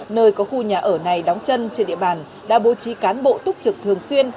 nơi có khu nhà ở này đóng chân trên địa bàn đã bố trí cán bộ túc trực thường xuyên